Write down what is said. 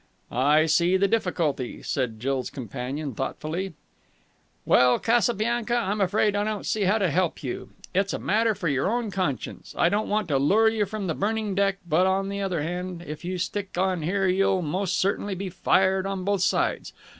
"I see the difficulty," said Jill's companion thoughtfully. "Well, Casabianca, I'm afraid I don't see how to help you. It's a matter for your own conscience. I don't want to lure you from the burning deck; on the other hand, if you stick on here you'll most certainly be fired on both sides....